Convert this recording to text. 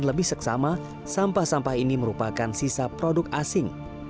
lebih seksama sampah sampah ini merupakan sisa produk asing